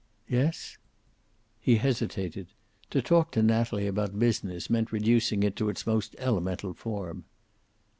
"Yes?" He hesitated. To talk to Natalie about business meant reducing it to its most elemental form.